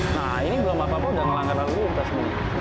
nah ini belum apa apa udah ngelanggar lalu lintas ini